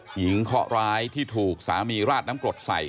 เคาะร้ายที่ถูกสามีราดน้ำกรดใส่